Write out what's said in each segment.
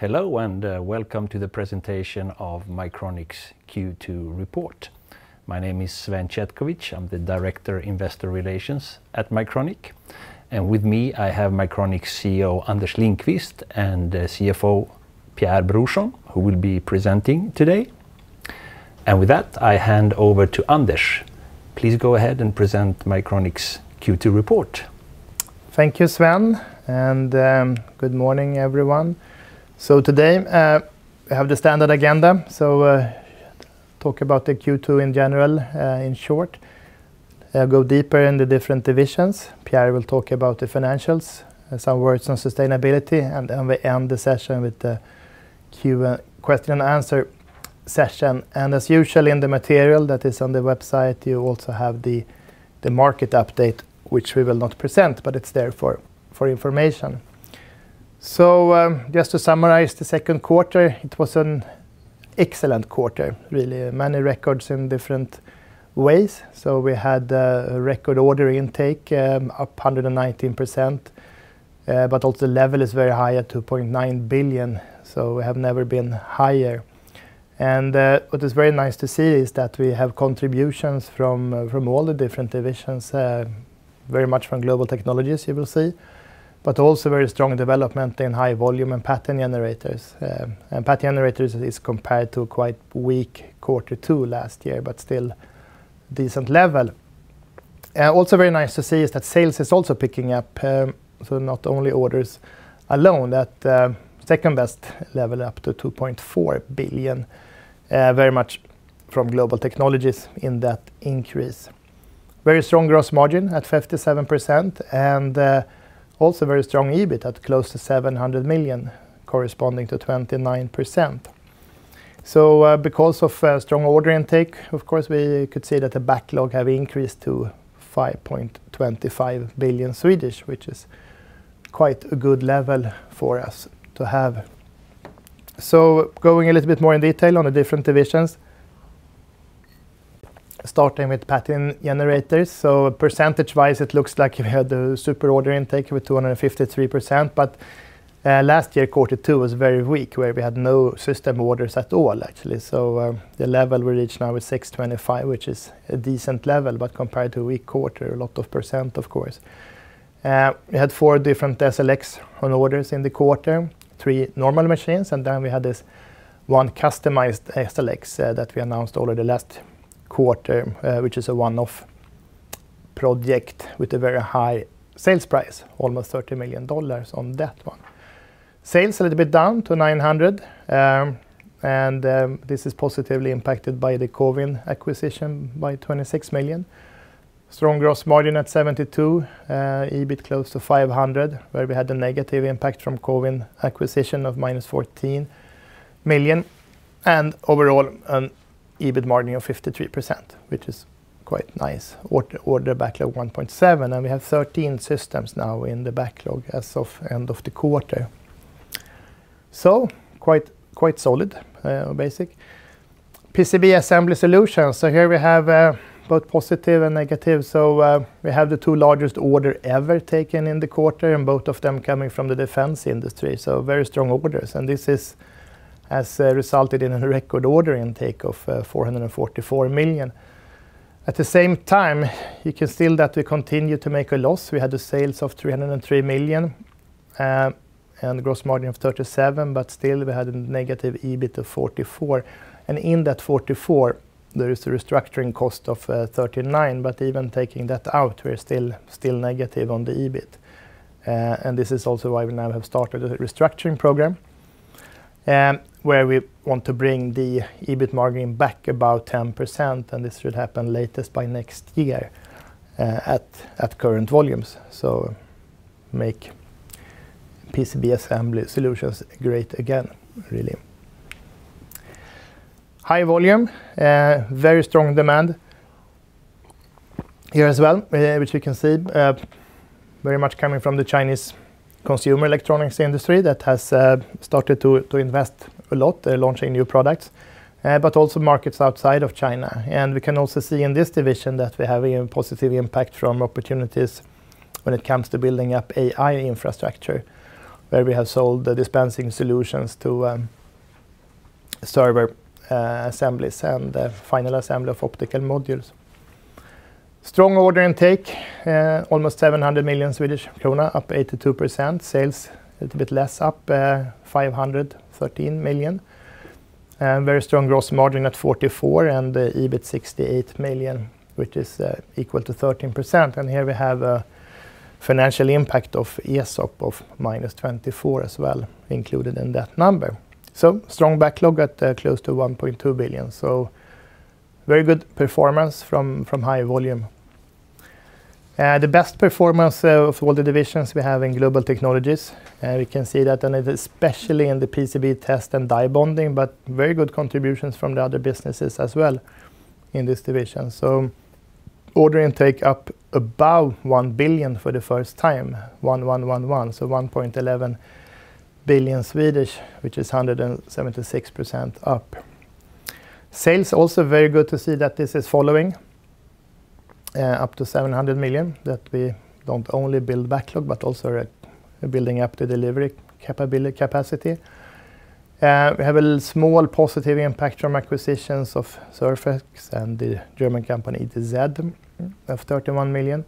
Hello, welcome to the presentation of Mycronic's Q2 report. My name is Sven Chetkovich. I am the Director, Investor Relations at Mycronic. With me, I have Mycronic's CEO, Anders Lindqvist, and CFO, Pierre Brorsson, who will be presenting today. With that, I hand over to Anders. Please go ahead and present Mycronic's Q2 report. Thank you, Sven. Good morning, everyone. Today, we have the standard agenda talk about the Q2 in general, in short, go deeper in the different divisions. Pierre will talk about the financials and some words on sustainability, we end the session with the question and answer session. As usual in the material that is on the website, you also have the market update, which we will not present, but it is there for information. Just to summarize the second quarter, it was an excellent quarter, really. Many records in different ways. We had a record order intake up 119%, but also the level is very high at 2.9 billion, we have never been higher. What is very nice to see is that we have contributions from all the different divisions, very much from Global Technologies, you will see, but also very strong development in High Volume and Pattern Generators. Pattern Generators is compared to quite weak quarter two last year, but still decent level. Also very nice to see is that sales is also picking up, not only orders alone, that second-best level up to 2.4 billion, very much from Global Technologies in that increase. Very strong gross margin at 57% and also very strong EBIT at close to 700 million, corresponding to 29%. Because of strong order intake, of course, we could say that the backlog have increased to 5.25 billion, which is quite a good level for us to have. Going a little bit more in detail on the different divisions, starting with Pattern Generators. Percentage-wise, it looks like you had the super order intake with 253%, but last year, quarter two was very weak, where we had no system orders at all, actually. The level we reach now is 625 million, which is a decent level, but compared to a weak quarter, a lot of percent, of course. We had four different SLX on orders in the quarter, three normal machines, then we had this one customized SLX that we announced already last quarter, which is a one-off project with a very high sales price, almost $30 million on that one. Sales a little bit down to 900 million, this is positively impacted by the Cowin acquisition by 26 million. Strong gross margin at 72%, EBIT close to 500 million, where we had the negative impact from Cowin acquisition of minus 14 million, and overall an EBIT margin of 53%, which is quite nice. Order backlog 1.7 billion, and we have 13 systems now in the backlog as of end of the quarter quite solid, basic. PCB Assembly Solutions here we have both positive and negative we have the two largest order ever taken in the quarter, and both of them coming from the defense industry, so very strong orders. This has resulted in a record order intake of 444 million. At the same time, you can see that we continue to make a loss. We had the sales of 303 million, and the gross margin of 37%, but still we had a negative EBIT of 44 million. In that 44 million, there is a restructuring cost of 39 million, but even taking that out, we're still negative on the EBIT. This is also why we now have started a restructuring program, where we want to bring the EBIT margin back about 10%, and this should happen latest by next year at current volumes. Make PCB Assembly Solutions great again, really. High Volume, very strong demand here as well, which you can see very much coming from the Chinese consumer electronics industry that has started to invest a lot they're launching new products, but also markets outside of China. We can also see in this division that we have a positive impact from opportunities when it comes to building up AI infrastructure, where we have sold the dispensing solutions to server assemblies and the final assembly of optical modules. Strong order intake, almost 700 million Swedish krona, up 82%. Sales a little bit less, up 513 million. Very strong gross margin at 44%, and EBIT 68 million, which is equal to 13%. Here we have a financial impact of ESOP of minus 24 million as well included in that number. Strong backlog at close to 1.2 billion. Very good performance from High Volume the best performance of all the divisions we have in Global Technologies. We can see that, especially in the PCB test and die bonding, but very good contributions from the other businesses as well in this division. Order intake up above 1 billion for the first time, 1,111 million, so 1.11 billion, which is 176% up. Sales, also very good to see that this is following. Up to 700 million that we don't only build backlog but also are building up the delivery capacity. We have a small positive impact from acquisitions of Surfx and the German company ETZ of 31 million,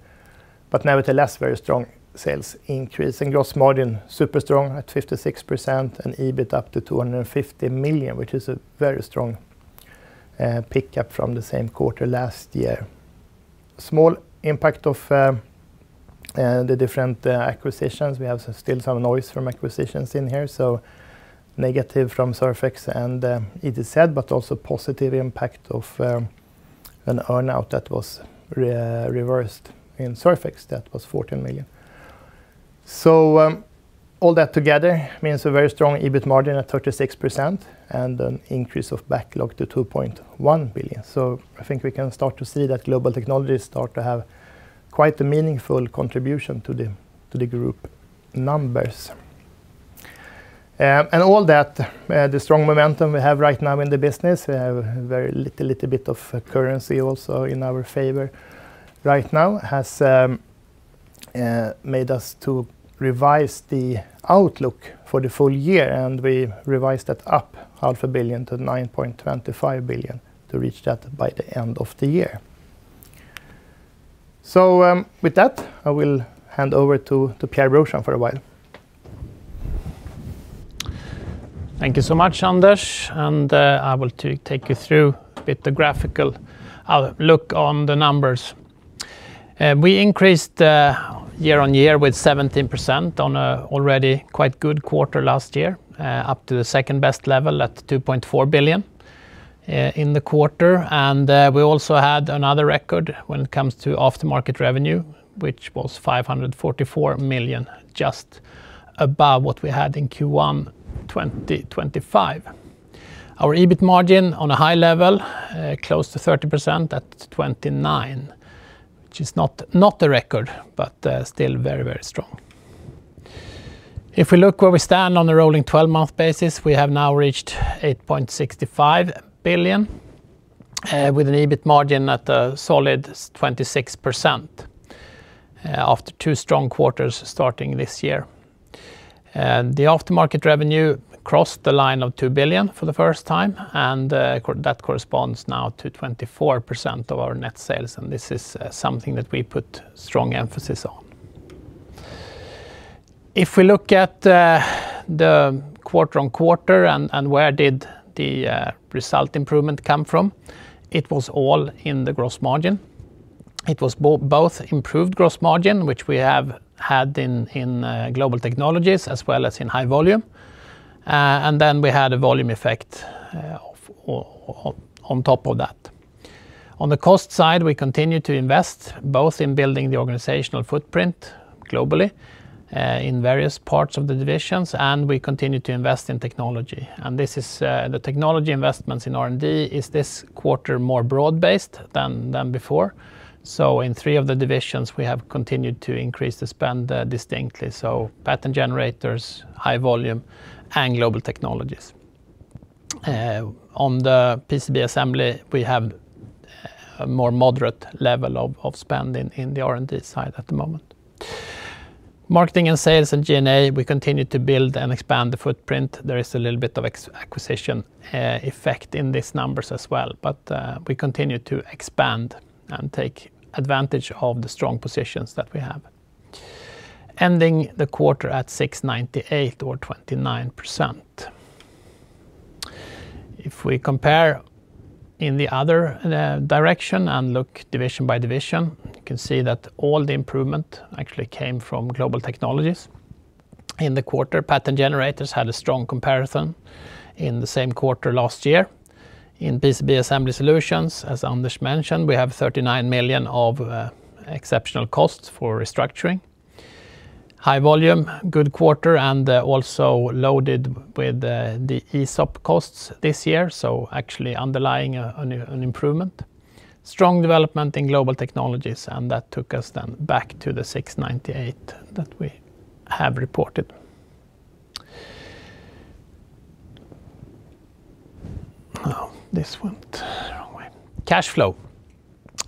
but nevertheless, very strong sales increase and gross margin, super strong at 56% and EBIT up to 250 million, which is a very strong pick-up from the same quarter last year. Small impact of the different acquisitions. We have still some noise from acquisitions in here, so negative from Surfx and ETZ, but also positive impact of an earn-out that was reversed in Surfx. That was 14 million all that together means a very strong EBIT margin at 36% and an increase of backlog to 2.1 billion. I think we can start to see that Global Technologies start to have quite a meaningful contribution to the group numbers. The strong momentum we have right now in the business, we have very little bit of currency also in our favor right now has made us to revise the outlook for the full year, and we revised that up half a billion to 9.25 billion to reach that by the end of the year. With that, I will hand over to Pierre Brorsson for a while. Thank you so much, Anders. I will take you through a bit the graphical look on the numbers. We increased year-on-year with 17% on an already quite good quarter last year, up to the second-best level at 2.4 billion in the quarter. We also had another record when it comes to aftermarket revenue, which was 544 million, just above what we had in Q1 2025. Our EBIT margin on a high level, close to 30% at 29%, which is not a record, but still very strong. If we look where we stand on a rolling 12-month basis, we have now reached 8.65 billion, with an EBIT margin at a solid 26%, after two strong quarters starting this year. The aftermarket revenue crossed the line of 2 billion for the first time, that corresponds now to 24% of our net sales, this is something that we put strong emphasis on. If we look at the quarter-on-quarter and where did the result improvement come from, it was all in the gross margin. It was both improved gross margin, which we have had in Global Technologies as well as in High Volume. Then we had a volume effect on top of that. On the cost side, we continue to invest both in building the organizational footprint globally, in various parts of the divisions, we continue to invest in technology. The technology investments in R&D is this quarter more broad-based than before. In three of the divisions, we have continued to increase the spend distinctly. Pattern Generators, High Volume, and Global Technologies. On the PCB assembly, we have a more moderate level of spend in the R&D side at the moment. Marketing and sales and G&A, we continue to build and expand the footprint. There is a little bit of acquisition effect in these numbers as well, we continue to expand and take advantage of the strong positions that we have. Ending the quarter at 698 million or 29%. If we compare in the other direction and look division by division, you can see that all the improvement actually came from Global Technologies in the quarter. Pattern Generators had a strong comparison in the same quarter last year. In PCB Assembly Solutions, as Anders mentioned, we have 39 million of exceptional costs for restructuring. High Volume, good quarter, also loaded with the ESOP costs this year, actually underlying an improvement. Strong development in Global Technologies, that took us back to 698 that we have reported. Oh, this went the wrong way. Cash flow.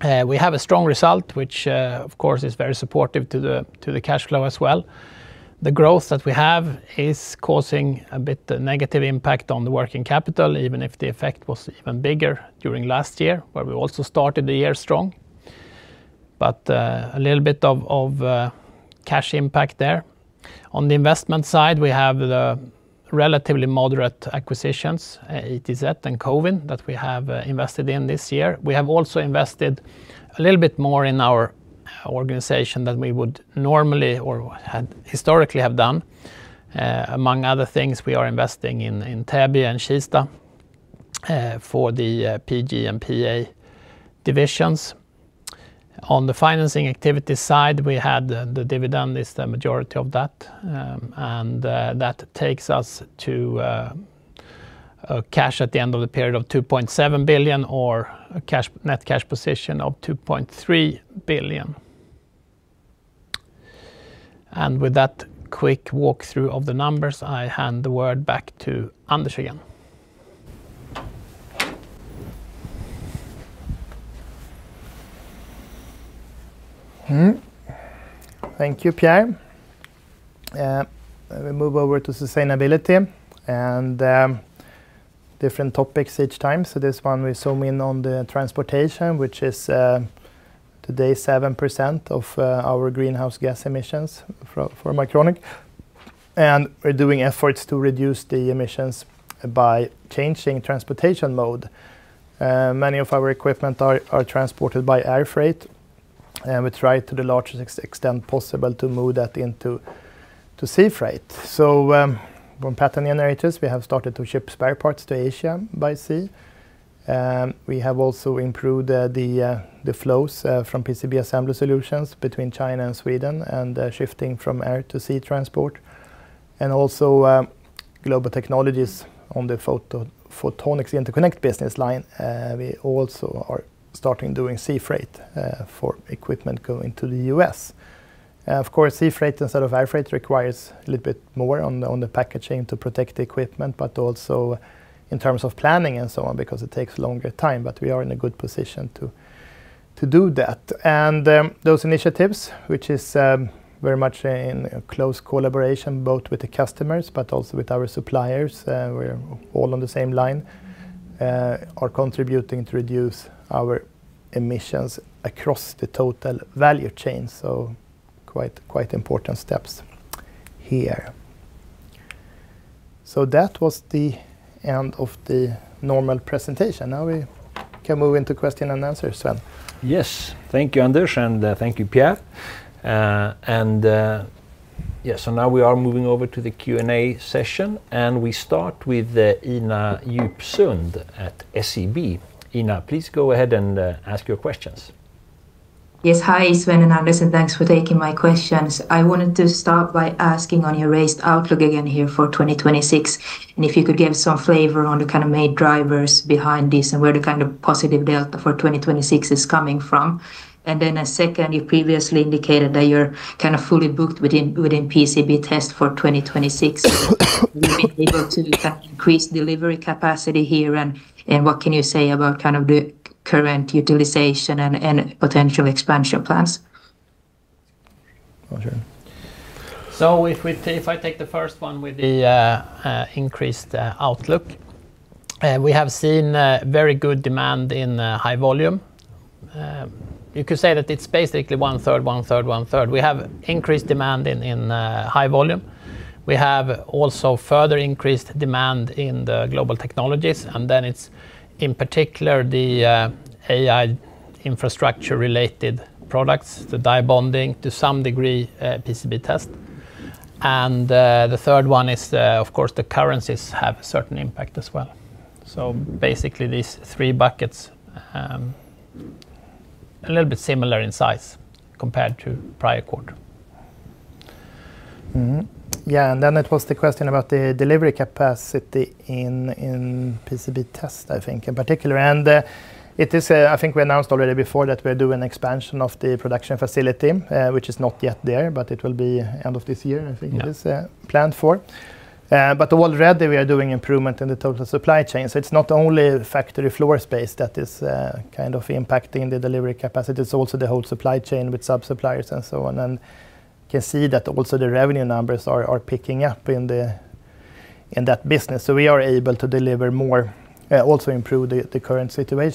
We have a strong result, which, of course, is very supportive to the cash flow as well. The growth that we have is causing a bit negative impact on the working capital, even if the effect was even bigger during last year, where we also started the year strong. A little bit of cash impact there on the investment side, we have the relatively moderate acquisitions, ETZ and Cowin, that we have invested in this year. We have also invested a little bit more in our organization than we would normally or had historically have done. Among other things, we are investing in Täby and Kista for the PG and PA divisions. On the financing activity side, we had the dividend is the majority of that takes us to cash at the end of the period of 2.7 billion or a net cash position of 2.3 billion. With that quick walkthrough of the numbers, I hand the word back to Anders again. Thank you, Pierre. We move over to sustainability and different topics each time. This one, we zoom in on the transportation, which is today 7% of our greenhouse gas emissions for Mycronic. We're doing efforts to reduce the emissions by changing transportation mode. Many of our equipment are transported by air freight, we try to the largest extent possible to move that into sea freight. From Pattern Generators, we have started to ship spare parts to Asia by sea. We have also improved the flows from PCB Assembly Solutions between China and Sweden and shifting from air to sea transport. Also Global Technologies on the Photonic Interconnects business line, we also are starting doing sea freight for equipment going to the U.S. Of course, sea freight instead of air freight requires a little bit more on the packaging to protect the equipment, also in terms of planning and so on, because it takes a longer time. We are in a good position to do that. Those initiatives, which is very much in close collaboration, both with the customers also with our suppliers, we are all on the same line, are contributing to reduce our emissions across the total value chain. Quite important steps here. That was the end of the normal presentation. Now we can move into question and answer, Sven. Yes. Thank you, Anders, and thank you, Pierre. Now we are moving over to the Q&A session, we start with Ina Djupsund at SEB. Ina, please go ahead and ask your questions. Yes. Hi, Sven and Anders, thanks for taking my questions. I wanted to start by asking on your raised outlook again here for 2026, if you could give some flavor on the kind of main drivers behind this and where the kind of positive delta for 2026 is coming from. A second, you previously indicated that you're kind of fully booked within PCB test for 2026. Will you be able to kind of increase delivery capacity here and what can you say about kind of the current utilization and potential expansion plans? Got you. If I take the first one with the increased outlook, we have seen very good demand in High Volume. You could say that it's basically one third, one third, one third we have increased demand in High Volume. We have also further increased demand in the Global Technologies, it's in particular the AI infrastructure-related products, the die bonding, to some degree, PCB test. The third one is, of course, the currencies have a certain impact as well. Basically, these three buckets, a little bit similar in size compared to prior quarter. Mm-hmm. Yeah, it was the question about the delivery capacity in PCB test, I think, in particular. I think we announced already before that we're doing expansion of the production facility, which is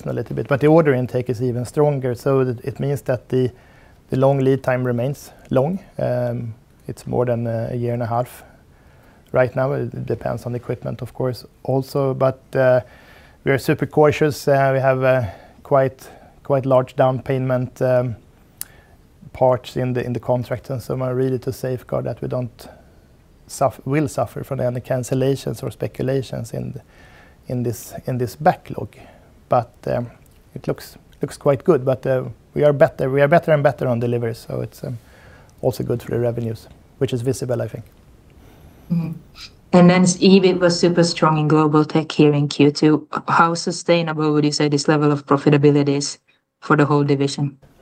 not yet there, but it will be end of this year, I think it is. Yeah Planned for. Already, we are doing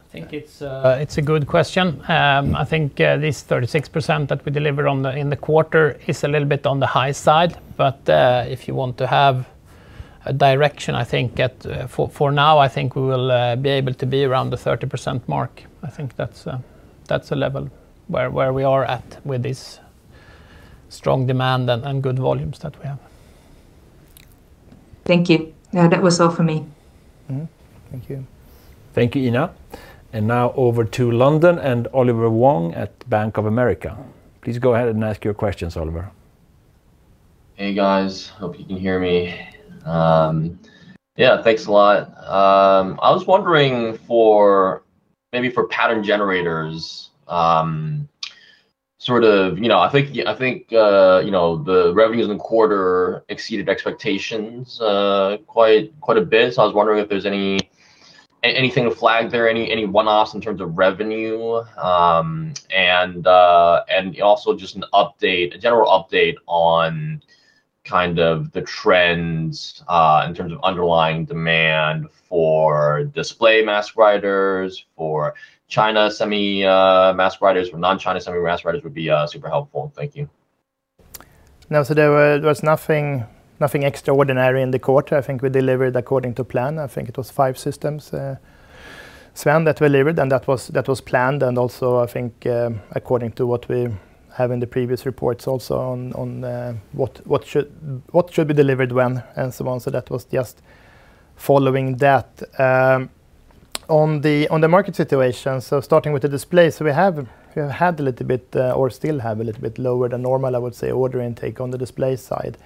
I think it's a good question. I think this 36% that we delivered in the quarter is a little bit on the high side, if you want to have a direction, I think for now, I think we will be able to be around the 30% mark. I think that's a level where we are at with this strong demand and good volumes that we have. Thank you. Yeah, that was all for me. Thank you. Thank you, Ina. Now over to London and Oliver Wong at Bank of America. Please go ahead and ask your questions, Oliver. Hey, guys. Hope you can hear me. Yeah, thanks a lot. I was wondering for maybe for Pattern Generators, I think the revenues in the quarter exceeded expectations quite a bit, so I was wondering if there's anything to flag there, any one-offs in terms of revenue, and also just a general update on the trends in terms of underlying demand for display mask writers, for China semi mask writers, for non-China semi mask writers would be super helpful. Thank you. No, there was nothing extraordinary in the quarter I think we delivered according to plan, I think it was five systems, Sven, that we delivered, and that was planned, and also, I think, according to what we have in the previous reports also on what should be delivered when, and so on that was just following that. On the market situation, starting with the displays, we had a little bit, or still have a little bit lower than normal, I would say, order intake on the display side,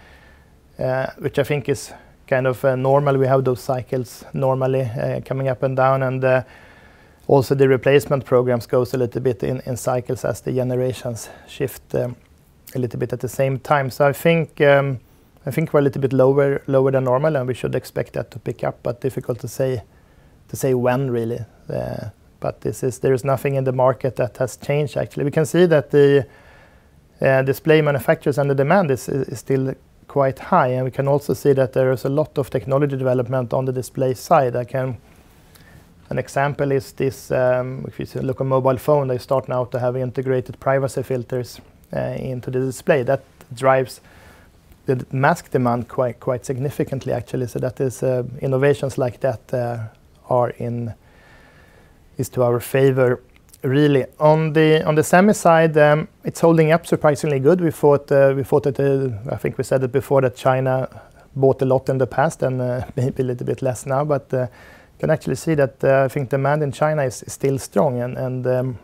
which I think is kind of normal. We have those cycles normally coming up and down, and also the replacement programs goes a little bit in cycles as the generations shift a little bit at the same time. I think we're a little bit lower than normal, and we should expect that to pick up, but difficult to say when, really. There is nothing in the market that has changed, actually. We can see that the display manufacturers and the demand is still quite high, and we can also see that there is a lot of technology development on the display side. An example is this, if you look on mobile phone, they start now to have integrated privacy filters into the display. That drives the mask demand quite significantly, actually. Innovations like that is to our favor, really on the semi side, it's holding up surprisingly good. I think we said it before that China bought a lot in the past and maybe a little bit less now, but you can actually see that I think demand in China is still strong and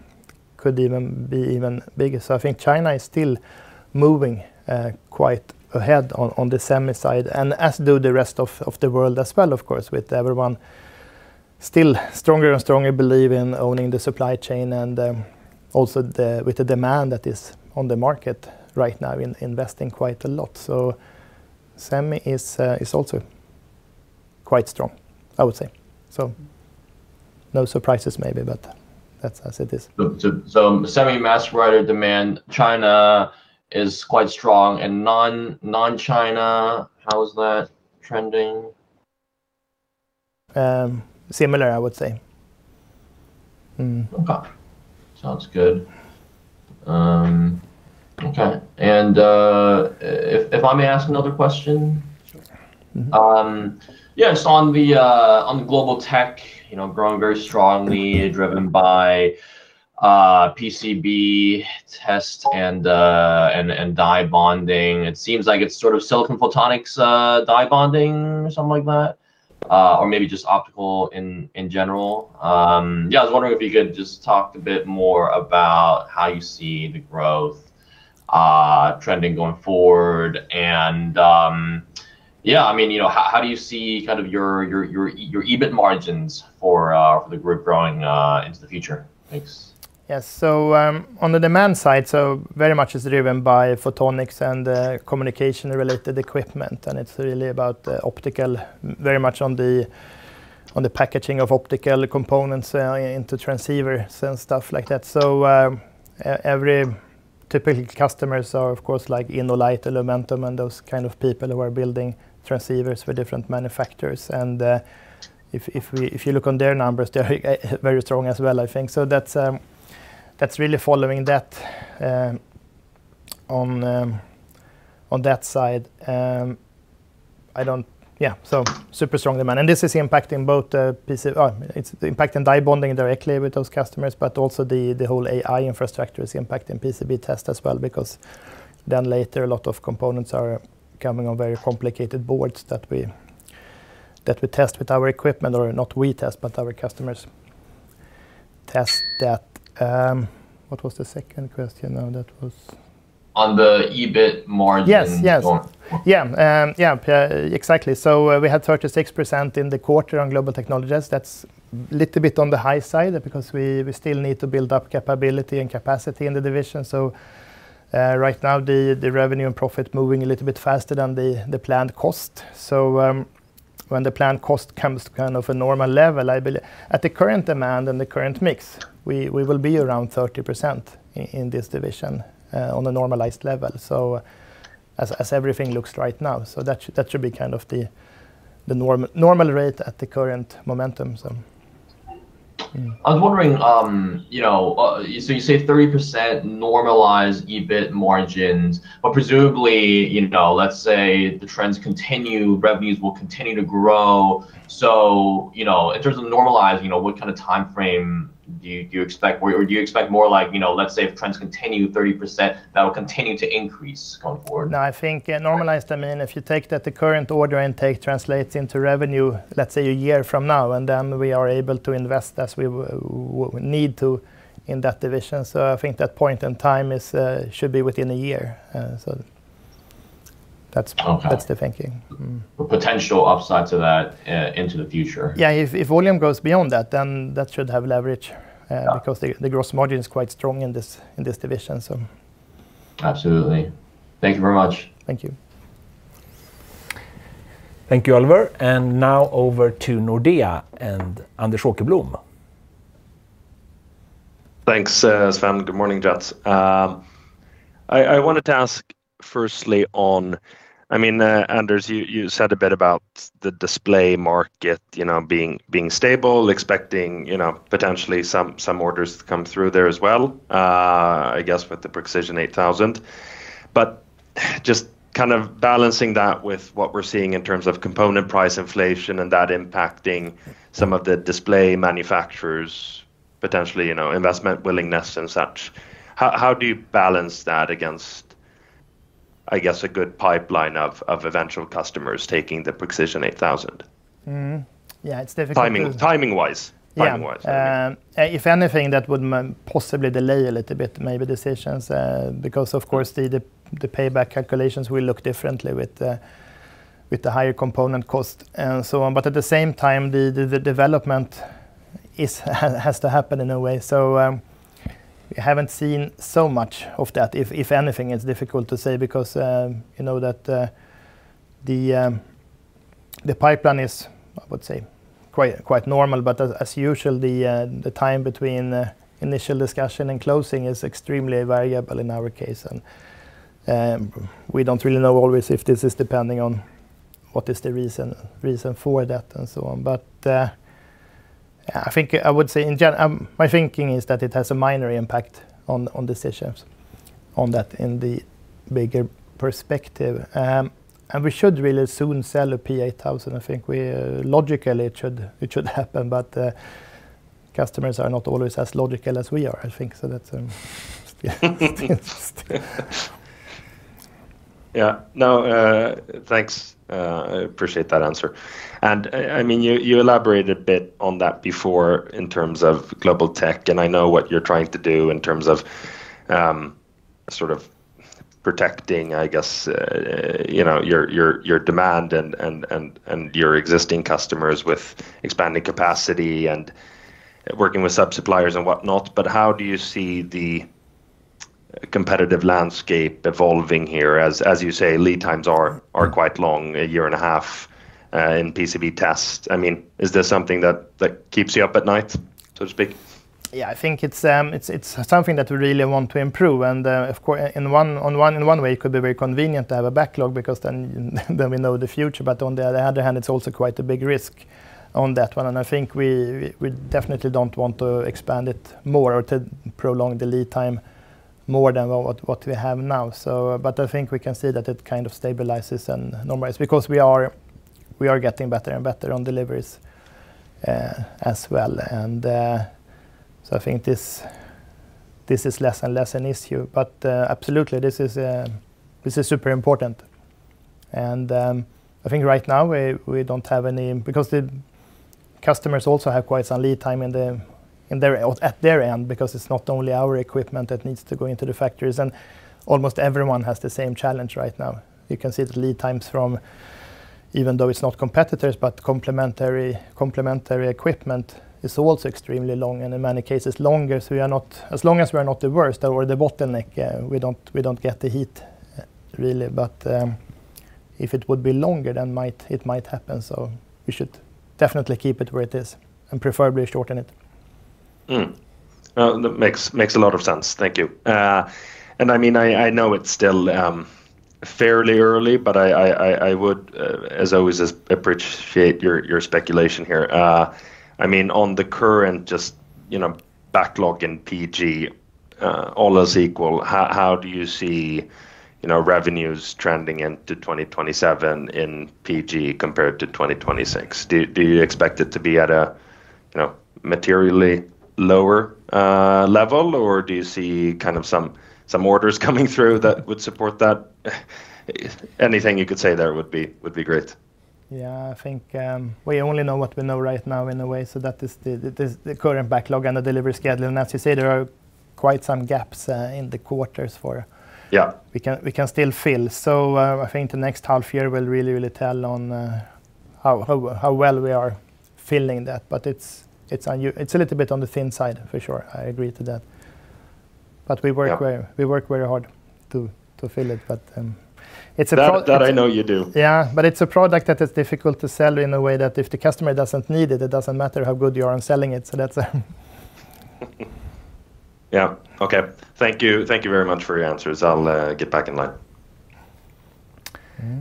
could even be even bigger. I think China is still moving quite ahead on the semi side, and as do the rest of the world as well, of course, with everyone still stronger and strongly believe in owning the supply chain, and also with the demand that is on the market right now, investing quite a lot. Semi is also quite strong, I would say. No surprises, maybe, but that's as it is. Semi mask writer demand, China is quite strong. Non-China, how is that trending? Similar, I would say. Okay. Sounds good. Okay. If I may ask another question? Sure. Mm-hmm. On the Global Tech growing very strongly, driven by PCB test and die bonding, it seems like it's sort of silicon photonics die bonding or something like that, or maybe just optical in general. I was wondering if you could just talk a bit more about how you see the growth trending going forward, how do you see your EBIT margins for the group growing into the future? Thanks. On the demand side, very much is driven by photonics and communication-related equipment, it is really about the optical, very much on the packaging of optical components into transceivers and stuff like that. Typical customers are, of course, like InnoLight, Lumentum, and those kind of people who are building transceivers for different manufacturers. If you look on their numbers, they are very strong as well, I think. That is really following that on that side. Super strong demand. This is impacting die bonding directly with those customers, but also the whole AI infrastructure is impacting PCB test as well because then later, a lot of components are coming on very complicated boards that we test with our equipment, or not we test, but our customers test that. What was the second question now? On the EBIT margin going forward. We had 36% in the quarter on Global Technologies that's little bit on the high side because we still need to build up capability and capacity in the division. Right now, the revenue and profit moving a little bit faster than the planned cost. When the planned cost comes to kind of a normal level, I believe at the current demand and the current mix, we will be around 30% in this division on a normalized level. As everything looks right now, that should be kind of the normal rate at the current momentum. I was wondering, you say 30% normalized EBIT margins, presumably, let's say the trends continue, revenues will continue to grow. In terms of normalized, what kind of timeframe do you expect? Or do you expect more like, let's say if trends continue 30%, that will continue to increase going forward? No, I think normalized, I mean, if you take that the current order intake translates into revenue, let's say a year from now, and then we are able to invest as we would need to in that division. I think that point in time should be within a year. Okay That's the thinking. Mm-hmm. Potential upside to that into the future. Yeah, if volume goes beyond that, then that should have leverage. Yeah The gross margin is quite strong in this division. Absolutely. Thank you very much. Thank you. Thank you, Oliver. Now over to Nordea and Anders Åkerblom. Thanks, Sven. Good morning, gents. I wanted to ask firstly, Anders, you said a bit about the display market being stable, expecting potentially some orders to come through there as well, I guess, with the Prexision 8000. Just balancing that with what we're seeing in terms of component price inflation and that impacting some of the display manufacturers potentially, investment willingness and such. How do you balance that against, I guess, a good pipeline of eventual customers taking the Prexision 8000? Yeah. Timing-wise. Yeah. If anything, that would possibly delay a little bit, maybe decisions, because of course, the payback calculations will look differently with the higher component cost and so on. At the same time, the development has to happen in a way. We haven't seen so much of that. If anything, it's difficult to say because the pipeline is, I would say, quite normal, as usual, the time between initial discussion and closing is extremely variable in our case, and we don't really know always if this is depending on what is the reason for that, and so on. My thinking is that it has a minor impact on decisions on that in the bigger perspective. We should really soon sell a P8000. I think logically it should happen, customers are not always as logical as we are, I think. That's interesting. Yeah. No, thanks. I appreciate that answer. You elaborated a bit on that before in terms of Globaltech, and I know what you're trying to do in terms of protecting, I guess, your demand and your existing customers with expanding capacity and working with sub-suppliers and whatnot. How do you see the competitive landscape evolving here? As you say, lead times are quite long, a year and a half in PCB test. Is this something that keeps you up at night, so to speak? Yeah, I think it's something that we really want to improve. In one way, it could be very convenient to have a backlog because then we know the future. On the other hand, it's also quite a big risk on that one. I think we definitely don't want to expand it more or to prolong the lead time more than what we have now. I think we can see that it stabilizes and normalizes, because we are getting better and better on deliveries as well. I think this is less and less an issue. Absolutely, this is super important. I think right now, because the customers also have quite some lead time at their end, because it's not only our equipment that needs to go into the factories, and almost everyone has the same challenge right now. You can see the lead times from, even though it's not competitors, but complementary equipment is also extremely long and in many cases longer. As long as we're not the worst or the bottleneck, we don't get the heat, really. If it would be longer, then it might happen. We should definitely keep it where it is and preferably shorten it. That makes a lot of sense. Thank you. I know it's still fairly early, but I would as always appreciate your speculation here. On the current backlog in PG, all else equal, how do you see revenues trending into 2027 in PG compared to 2026? Do you expect it to be at a materially lower level, or do you see some orders coming through that would support that? Anything you could say there would be great. Yeah, I think we only know what we know right now in a way, that is the current backlog and the delivery schedule. As you say, there are quite some gaps in the quarters. Yeah We can still fill. I think the next half year will really tell on how well we are filling that. It's a little bit on the thin side, for sure. I agree to that. We work very hard to fill it. It's a That I know you do. It's a product that is difficult to sell in a way that if the customer doesn't need it doesn't matter how good you are in selling it. Thank you very much for your answers. I'll get back in line.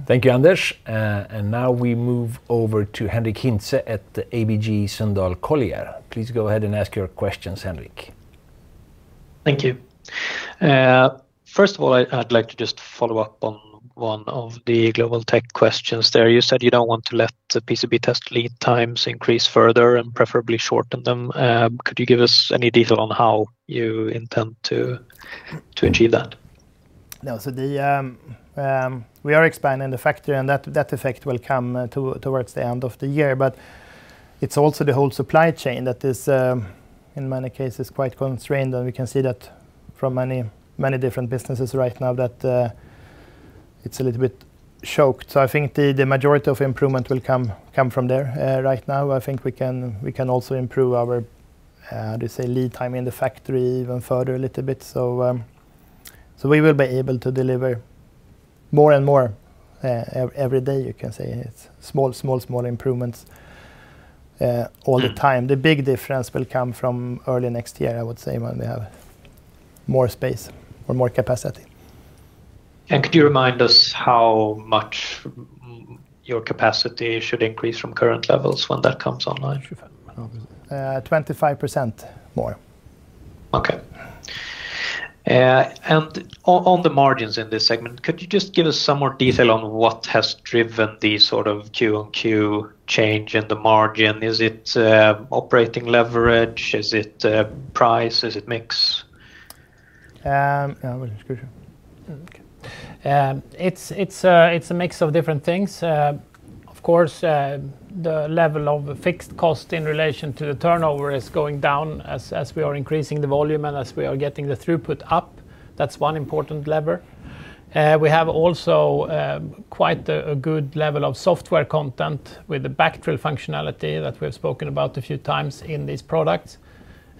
Thank you, Anders. Now we move over to Henric Hintze at ABG Sundal Collier. Please go ahead and ask your questions, Henric. Thank you. First of all, I'd like to just follow up on one of the Globaltech questions there. You said you don't want to let the PCB test lead times increase further and preferably shorten them. Could you give us any detail on how you intend to achieve that? We are expanding the factory, that effect will come towards the end of the year, it's also the whole supply chain that is, in many cases, quite constrained, and we can see that from many different businesses right now that it's a little bit choked. I think the majority of improvement will come from there. Right now, I think we can also improve our, how do you say, lead time in the factory even further a little bit. We will be able to deliver more and more every day, you can say. It's small improvements all the time. The big difference will come from early next year, I would say, when we have more space or more capacity. Could you remind us how much your capacity should increase from current levels when that comes online? 25% more. Okay. On the margins in this segment, could you just give us some more detail on what has driven the sort of qq change in the margin? Is it operating leverage? Is it price? Is it mix? It's a mix of different things. Of course, the level of fixed cost in relation to the turnover is going down as we are increasing the volume and as we are getting the throughput up. That's one important lever. We have also quite a good level of software content with the backfill functionality that we've spoken about a few times in these products,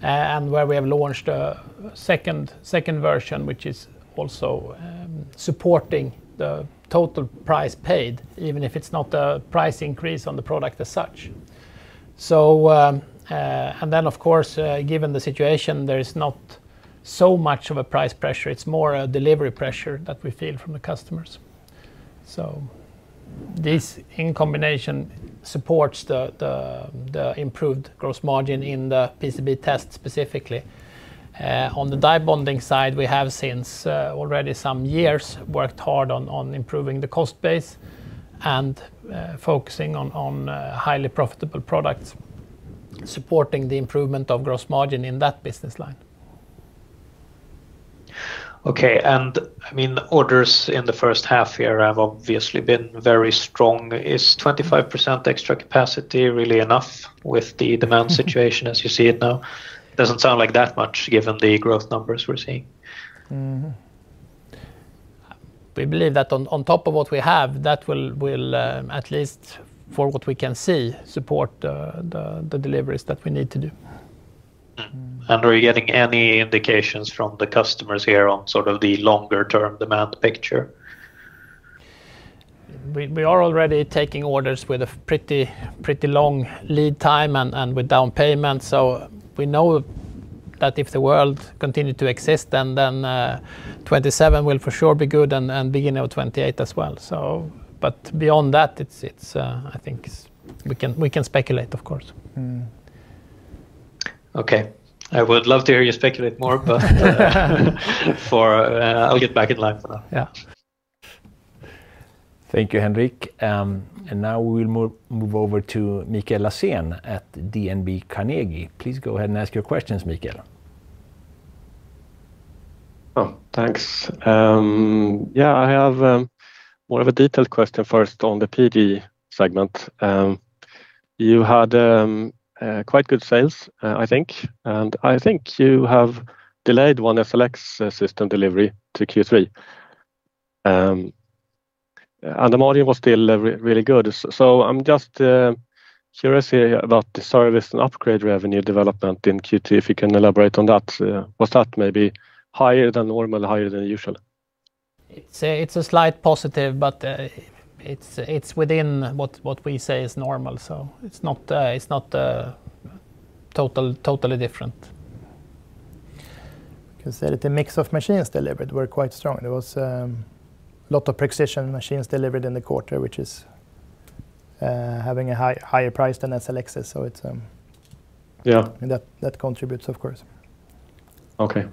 and where we have launched a second version, which is also supporting the total price paid, even if it's not a price increase on the product as such. Then, of course, given the situation, there is not so much of a price pressure. It's more a delivery pressure that we feel from the customers. This, in combination, supports the improved gross margin in the PCB test specifically. On the die bonding side, we have since already some years, worked hard on improving the cost base and focusing on highly profitable products, supporting the improvement of gross margin in that business line. Okay. Orders in the first half year have obviously been very strong. Is 25% extra capacity really enough with the demand situation as you see it now? Doesn't sound like that much given the growth numbers we're seeing. We believe that on top of what we have, that will at least, for what we can see, support the deliveries that we need to do. Are you getting any indications from the customers here on sort of the longer-term demand picture? We are already taking orders with a pretty long lead time and with down payment. We know that if the world continue to exist, then 2027 will for sure be good and beginning of 2028 as well. Beyond that, I think we can speculate, of course. Okay. I would love to hear you speculate more, but I'll get back in line for that. Yeah. Thank you, Henric. Now we will move over to Mikael Laséen at DNB Carnegie. Please go ahead and ask your questions, Mikael. Thanks. Yeah, I have more of a detailed question first on the PG segment. You had quite good sales, I think, I think you have delayed one SLX system delivery to Q3. The margin was still really good I'm just curious here about the service and upgrade revenue development in Q2, if you can elaborate on that. Was that maybe higher than normal, higher than usual? It's a slight positive, but it's within what we say is normal it's not totally different. You can say that the mix of machines delivered were quite strong. There was a lot of Prexision machines delivered in the quarter, which is having a higher price than SLX is. Yeah. That contributes, of course. Okay.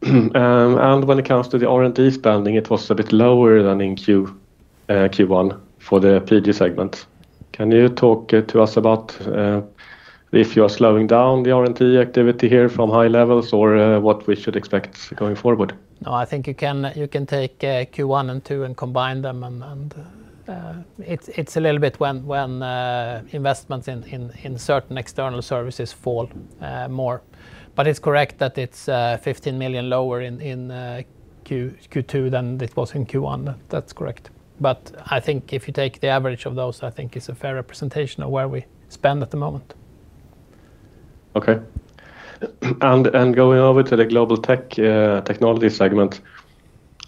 When it comes to the R&D spending, it was a bit lower than in Q1 for the PG segment. Can you talk to us about if you are slowing down the R&D activity here from high levels or what we should expect going forward? No, I think you can take Q1 and Q2 and combine them, it's a little bit when investments in certain external services fall more. It's correct that it's 15 million lower in Q2 than it was in Q1. That's correct. I think if you take the average of those, I think it's a fair representation of where we spend at the moment. Okay. Going over to the Global Technologies segment,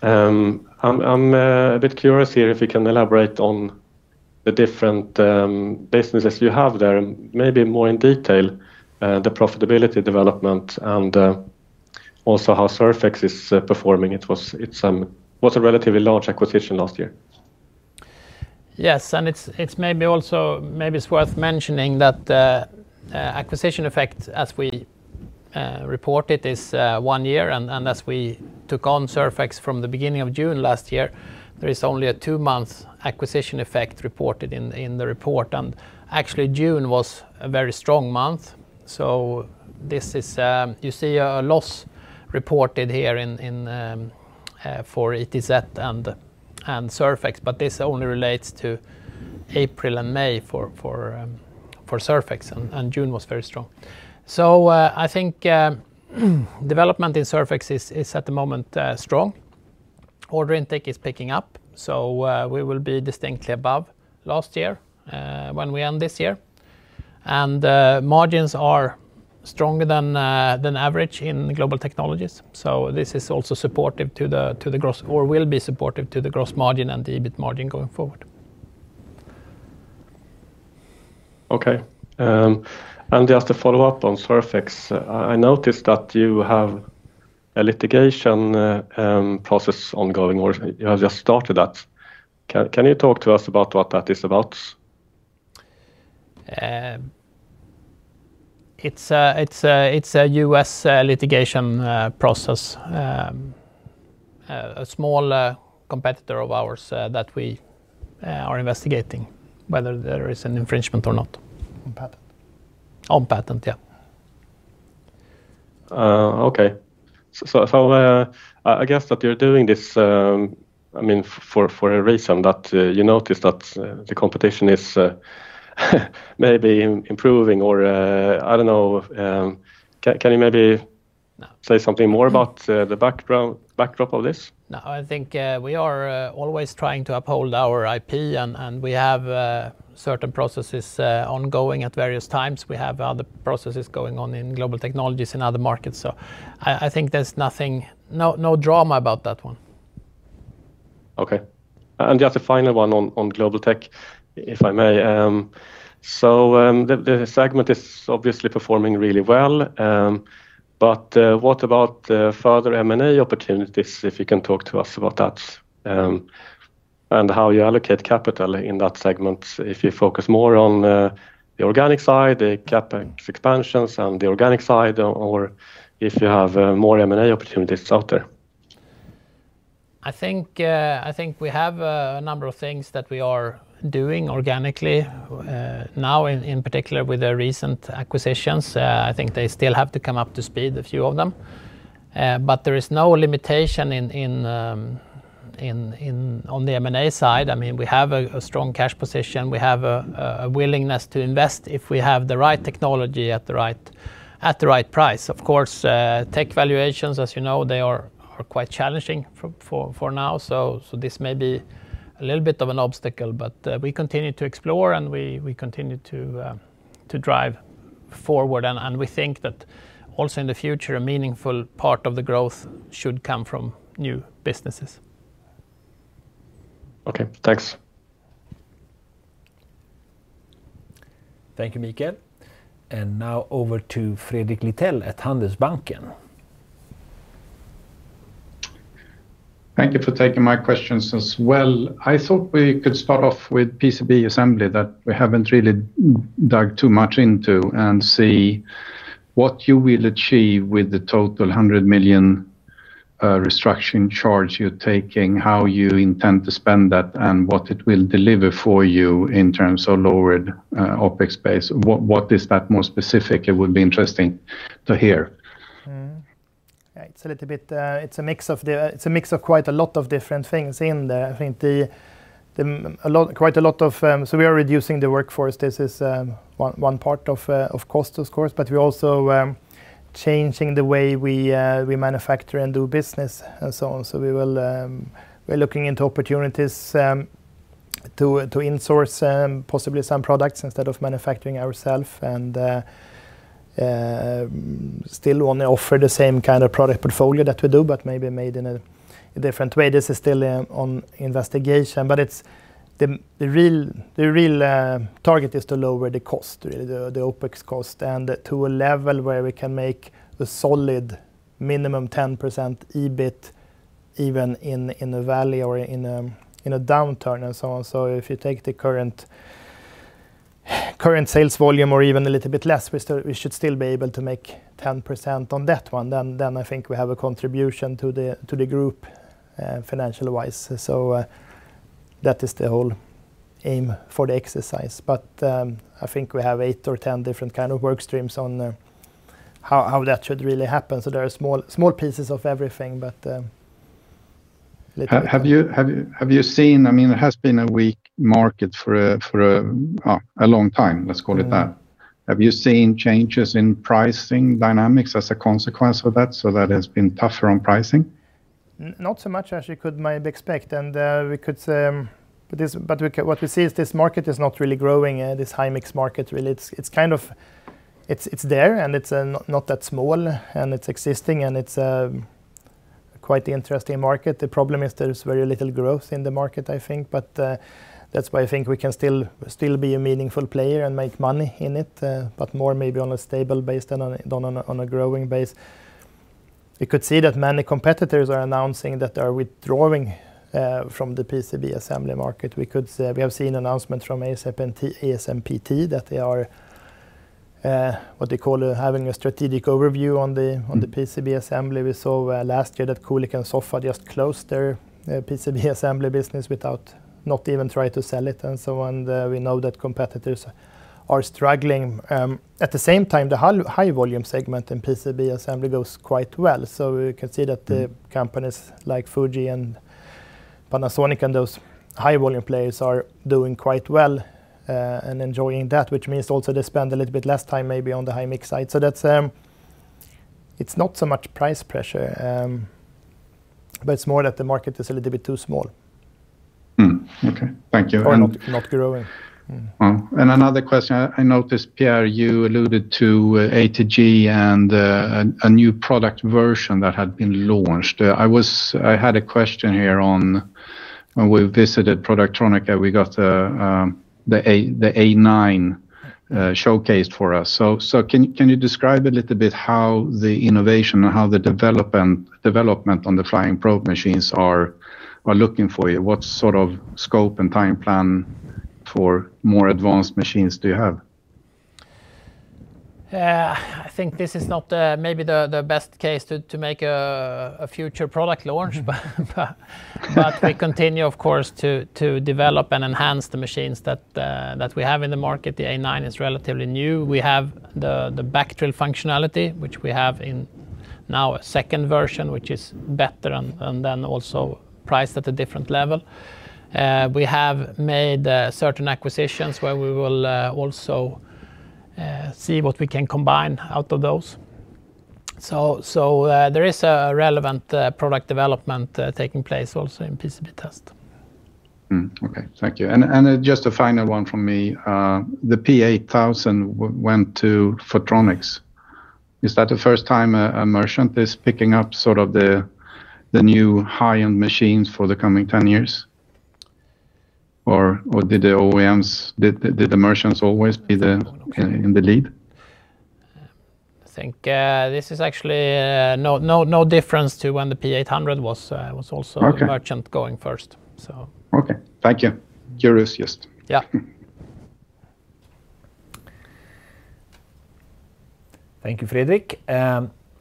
I'm a bit curious here if you can elaborate on the different businesses you have there, maybe more in detail, the profitability development and also how Surfx is performing it was a relatively large acquisition last year. Maybe it's worth mentioning that acquisition effect as we reported is one year, as we took on Surfx from the beginning of June last year, there is only a two-month acquisition effect reported in the report. Actually, June was a very strong month. You see a loss reported here for ETZ and Surfx, but this only relates to April and May for Surfx, June was very strong. I think development in Surfx is at the moment strong. Order intake is picking up, we will be distinctly above last year when we end this year. Margins are stronger than average in Global Technologies. This is also supportive to the growth, or will be supportive to the gross margin and the EBIT margin going forward. Just to follow up on Surfx, I noticed that you have a litigation process ongoing, or you have just started that. Can you talk to us about what that is about? It's a U.S. litigation process. A small competitor of ours that we are investigating whether there is an infringement or not. On patent. On patent, yeah. Okay. I guess that you're doing this for a reason that you noticed that the competition is maybe improving or I don't know. Can you. No Say something more about the backdrop of this? I think we are always trying to uphold our IP. We have certain processes ongoing at various times. We have other processes going on in Global Technologies in other markets. I think there's nothing, no drama about that one. Okay. Just a final one on Global Tech, if I may. The segment is obviously performing really well, but what about further M&A opportunities, if you can talk to us about that, and how you allocate capital in that segment, if you focus more on the organic side, the CapEx expansions on the organic side, or if you have more M&A opportunities out there? I think we have a number of things that we are doing organically now in particular with the recent acquisitions. I think they still have to come up to speed, a few of them. There is no limitation on the M&A side. We have a strong cash position. We have a willingness to invest if we have the right technology at the right price. Of course, tech valuations, as you know, they are quite challenging for now. This may be a little bit of an obstacle, but we continue to explore and we continue to drive forward, and we think that also in the future, a meaningful part of the growth should come from new businesses. Okay, thanks. Thank you, Mikael. Now over to Fredrik Lithell at Handelsbanken. Thank you for taking my questions as well. I thought we could start off with PCB assembly that we haven't really dug too much into and see what you will achieve with the total 100 million restructuring charge you're taking, how you intend to spend that, and what it will deliver for you in terms of lowered OpEx base. What is that more specific? It would be interesting to hear. It's a mix of quite a lot of different things in there. We are reducing the workforce. This is one part of cost, of course, but we're also changing the way we manufacture and do business and so on. We're looking into opportunities to insource possibly some products instead of manufacturing ourself, and still want to offer the same kind of product portfolio that we do, but maybe made in a different way. This is still on investigation, but the real target is to lower the cost really, the OpEx cost, and to a level where we can make the solid minimum 10% EBIT even in a valley or in a downturn and so on. If you take the current sales volume or even a little bit less, we should still be able to make 10% on that one, then I think we have a contribution to the group financial-wise. That is the whole aim for the exercise. I think we have eight or 10 different kind of work streams on how that should really happen. There are small pieces of everything, but. It has been a weak market for a long time, let's call it that. Have you seen changes in pricing dynamics as a consequence of that, so that it has been tougher on pricing? Not so much as you could maybe expect, and we could say, but what we see is this market is not really growing, this high mix market really. It's there, and it's not that small, and it's existing, and it's a quite interesting market. The problem is there is very little growth in the market, I think, but that's why I think we can still be a meaningful player and make money in it, but more maybe on a stable base than on a growing base. You could see that many competitors are announcing that they are withdrawing from the PCB assembly market. We have seen announcements from ASMPT that they are what they call having a strategic overview on the PCB assembly. We saw last year that Kulicke & Soffa just closed their PCB assembly business without not even trying to sell it and so on. We know that competitors are struggling. At the same time, the high volume segment in PCB assembly goes quite well. We can see that the companies like Fuji and Panasonic and those high volume players are doing quite well and enjoying that, which means also they spend a little bit less time maybe on the high mix side. It's not so much price pressure, but it's more that the market is a little bit too small. Okay. Thank you. Not growing. Another question. I noticed, Pierre, you alluded to atg and a new product version that had been launched. I had a question here on when we visited Productronica, we got the A9 showcased for us. Can you describe a little bit how the innovation and how the development on the flying probe machines are looking for you? What sort of scope and time plan for more advanced machines do you have? I think this is not maybe the best case to make a future product launch. We continue, of course, to develop and enhance the machines that we have in the market. The A9 is relatively new. We have the back drill functionality, which we have in now a second version, which is better and then also priced at a different level. We have made certain acquisitions where we will also see what we can combine out of those. There is a relevant product development taking place also in PCB test. Okay, thank you. Just a final one from me. The P8000 went to Photronics. Is that the first time a merchant is picking up the new high-end machines for the coming 10 years? Or did the merchants always be in the lead? I think this is actually no difference to when the P800 was also. Okay Anders going first. Okay. Thank you. Curious, yes. Yeah. Thank you, Fredrik.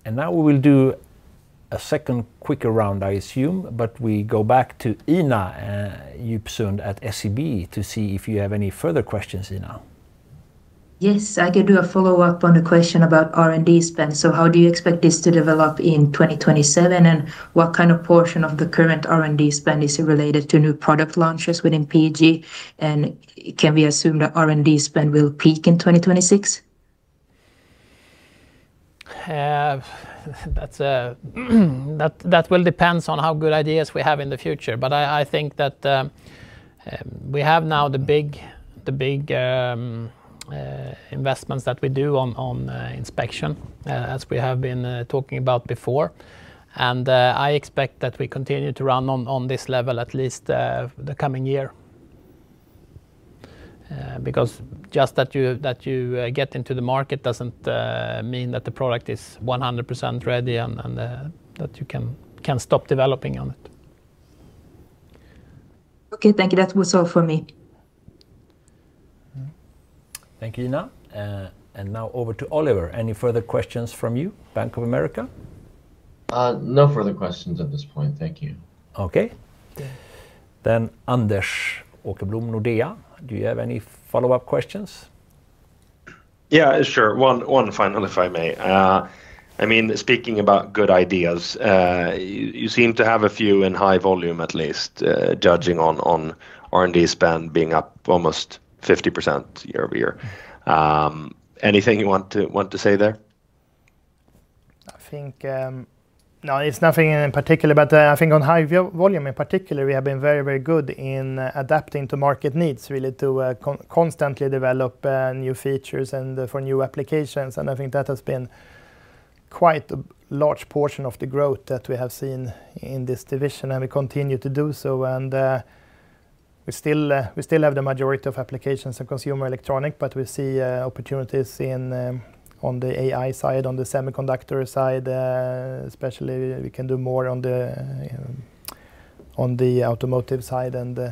Now we will do a second quicker round, I assume. We go back to Ina Djupsund at SEB to see if you have any further questions, Ina. Yes, I could do a follow-up on the question about R&D spend. How do you expect this to develop in 2027? What kind of portion of the current R&D spend is related to new product launches within PG? Can we assume that R&D spend will peak in 2026? That will depend on how good ideas we have in the future. I think that we have now the big investments that we do on inspection, as we have been talking about before. I expect that we continue to run on this level at least the coming year. Because just that you get into the market doesn't mean that the product is 100% ready and that you can stop developing on it. Okay, thank you. That was all for me. Thank you, Ina. Now over to Oliver. Any further questions from you, Bank of America? No further questions at this point. Thank you. Okay. Anders Åkerblom, Nordea, do you have any follow-up questions? Yeah, sure. One final, if I may. Speaking about good ideas, you seem to have a few in High Volume, at least, judging on R&D spend being up almost 50% year-over-year. Anything you want to say there? No, it's nothing in particular, I think on High Volume in particular, we have been very good in adapting to market needs, really, to constantly develop new features and for new applications. I think that has been quite a large portion of the growth that we have seen in this division, we continue to do so. We still have the majority of applications in consumer electronic, but we see opportunities on the AI side, on the semiconductor side, especially we can do more on the automotive side and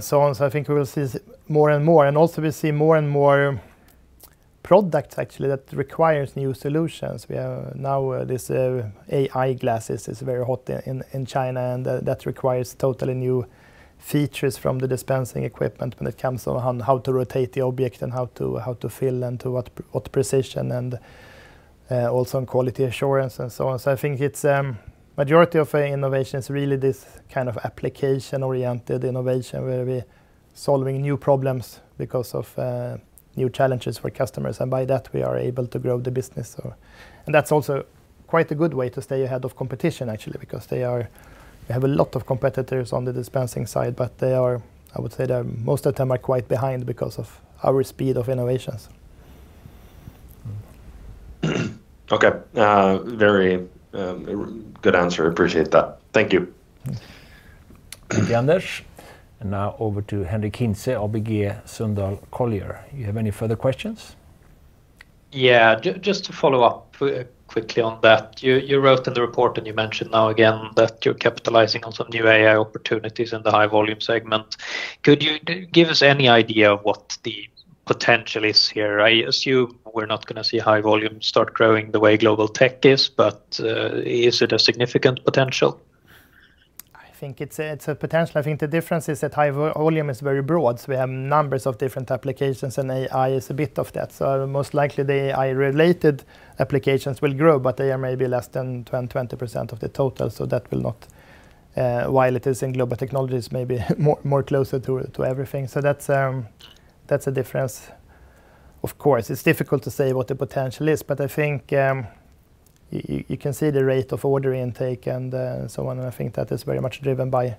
so on. I think we will see more and more. Also we see more and more products, actually, that requires new solutions. We have now these AI glasses. It's very hot in China, that requires totally new features from the dispensing equipment when it comes on how to rotate the object and how to fill and to what precision and also on quality assurance and so on. I think it's majority of innovations really this kind of application-oriented innovation where we're solving new problems because of new challenges for customers. By that, we are able to grow the business. That's also quite a good way to stay ahead of competition, actually, because we have a lot of competitors on the dispensing side, but I would say that most of them are quite behind because of our speed of innovations. Okay. Very good answer. I appreciate that. Thank you. Thank you, Anders. Now over to Henric Hintze, ABG Sundal Collier. You have any further questions? Yeah. Just to follow up quickly on that. You wrote in the report and you mentioned now again that you're capitalizing on some new AI opportunities in the High Volume segment. Could you give us any idea of what the potential is here? I assume we're not going to see High Volume start growing the way Global Tech is, but is it a significant potential? I think it's a potential. I think the difference is that High Volume is very broad. We have numbers of different applications, and AI is a bit of that. Most likely the AI-related applications will grow, but they are maybe less than 20% of the total, that will not, while it is in Global Technologies, maybe more closer to everything. That's a difference, of course. It's difficult to say what the potential is, but I think you can see the rate of order intake and so on, and I think that is very much driven by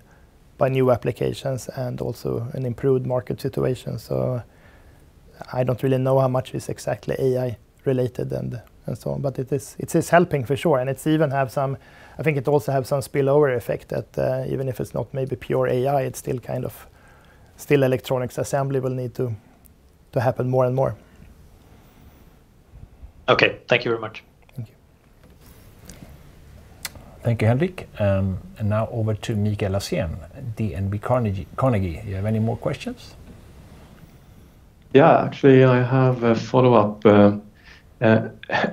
new applications and also an improved market situation. I don't really know how much is exactly AI related and so on, but it is helping for sure, and I think it also have some spillover effect that even if it's not maybe pure AI, it's still electronics assembly will need to happen more and more. Okay. Thank you very much. Thank you. Thank you, Henric. Now over to Mikael Laséen, DNB Carnegie. You have any more questions? Actually, I have a follow-up,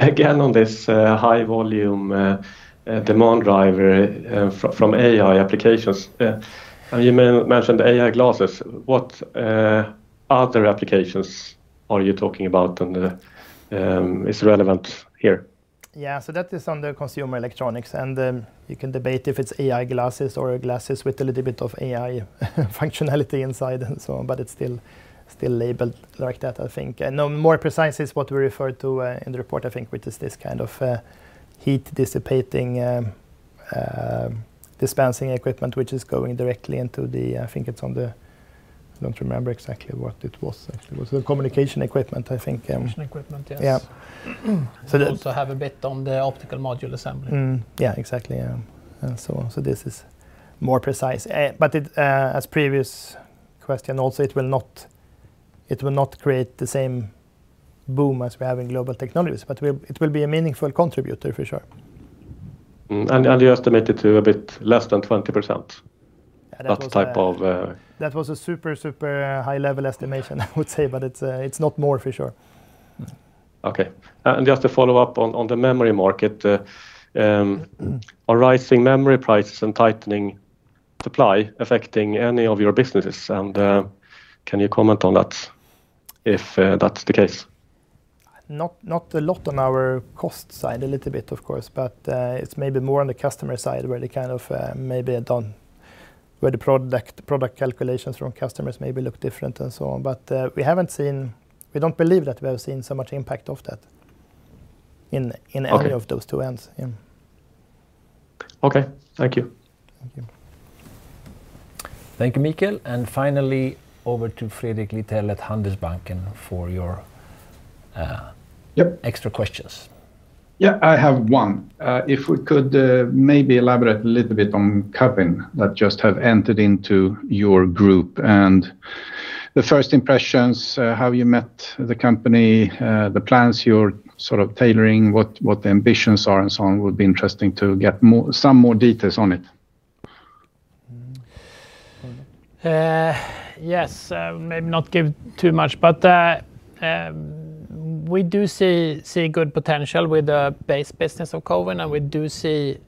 again, on this high volume demand driver from AI applications. You mentioned AI glasses. What other applications are you talking about and is relevant here? That is under consumer electronics, you can debate if it's AI glasses or glasses with a little bit of AI functionality inside and so on, it's still labeled like that, I think. More precise is what we refer to in the report, I think, which is this kind of heat dissipating dispensing equipment, which is going directly into the I don't remember exactly what it was actually. It was the communication equipment, I think. Communication equipment, yes. Yeah. Also have a bit on the optical module assembly. Mm-hmm. Yeah, exactly. This is more precise. As previous question also, it will not create the same boom as we have in Global Technologies, but it will be a meaningful contributor, for sure. You estimate it to a bit less than 20%, that type of- That was a super high level estimation, I would say, but it's not more for sure. Okay. Just to follow up on the memory market, are rising memory prices and tightening supply affecting any of your businesses? Can you comment on that if that's the case? Not a lot on our cost side. A little bit, of course, but it's maybe more on the customer side where the product calculations from customers maybe look different and so on. We don't believe that we have seen so much impact of that in- Okay any of those two ends. Yeah. Okay. Thank you. Thank you. Thank you, Mikael. Finally, over to Fredrik Lithell at Handelsbanken for. Yep extra questions. I have one. If we could maybe elaborate a little bit on Cowin, that just have entered into your group. The first impressions, how you met the company, the plans you're tailoring, what the ambitions are, and so on, would be interesting to get some more details on it. Yes, maybe not give too much. We do see good potential with the base business of Cowin, and we do see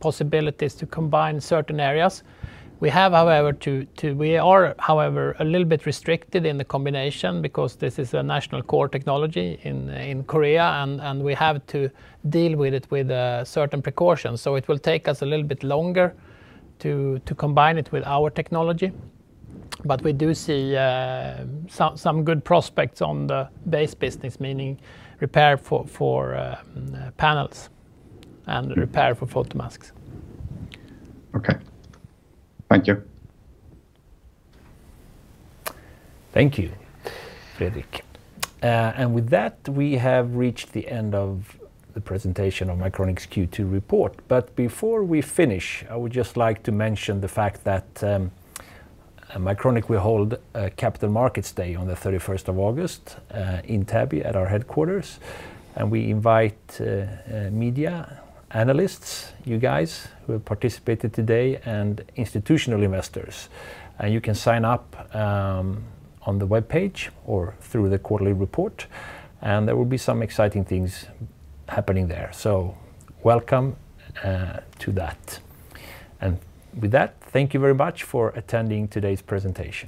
possibilities to combine certain areas. We are, however, a little bit restricted in the combination because this is a national core technology in Korea, and we have to deal with it with certain precautions. It will take us a little bit longer to combine it with our technology. We do see some good prospects on the base business, meaning repair for panels and repair for photomasks. Okay. Thank you. Thank you, Fredrik. With that, we have reached the end of the presentation of Mycronic's Q2 report. Before we finish, I would just like to mention the fact that Mycronic will hold a Capital Markets Day on the 31st of August in Täby at our headquarters, and we invite media, analysts, you guys who have participated today, and institutional investors. You can sign up on the webpage or through the quarterly report, and there will be some exciting things happening there. Welcome to that. With that, thank you very much for attending today's presentation.